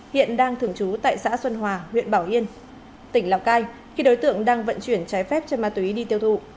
hiện đang thường trú tại xã xuân hòa huyện bảo yên tỉnh lào cai khi đối tượng đang vận chuyển trái phép cho ma túy đi tiêu thụ